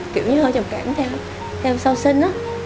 kiểu như hơi trầm cảm theo sau sinh